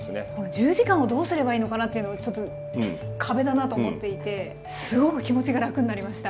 １０時間をどうすればいいのかなというのちょっと壁だなと思っていてすごく気持ちが楽になりました。